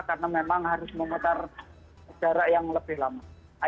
karena memang harus memutar jarak yang lebih lama